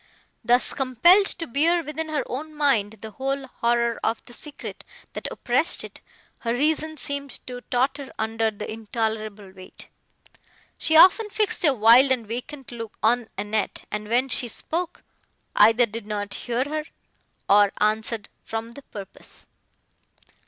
Thus compelled to bear within her own mind the whole horror of the secret, that oppressed it, her reason seemed to totter under the intolerable weight. She often fixed a wild and vacant look on Annette, and, when she spoke, either did not hear her, or answered from the purpose.